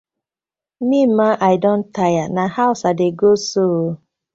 Mi ma, I don tire, na hawz I dey go so ooo.